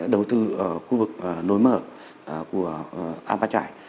đầu tư khu vực nối mở của ava trải